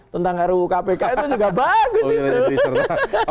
tentang ru kpk itu juga bagus itu